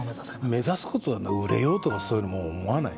目指すことは売れようとかそういうのもう思わない。